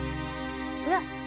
ほら！